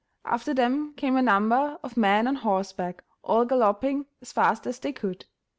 After them came a number of men on horseback, all galloping as fast as they could.